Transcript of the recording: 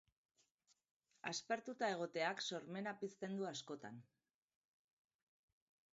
Aspertuta egoteak sormena pizten du askotan.